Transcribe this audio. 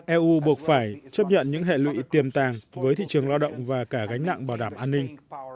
eu buộc phải chấp nhận những hệ lụy tiềm tàng với thị trường lao động và cả gánh nặng bảo đảm an ninh